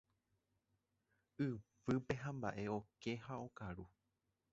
Yvýpe hamba'e oke ha okaru.